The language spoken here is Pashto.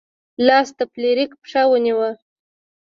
لاس د فلیریک پښه ونیوه.